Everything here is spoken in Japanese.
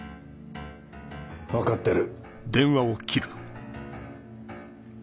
分かってる。